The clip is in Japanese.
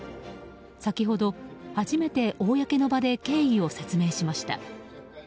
先ほど、初めて公の場で経緯を説明しました。